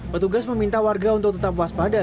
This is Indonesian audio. petugas meminta warga untuk tetap waspada